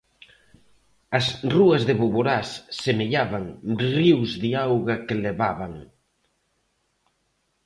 As rúas de Boborás semellaban ríos da auga que levaban.